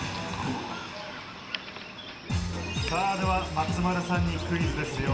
松丸さんにクイズです。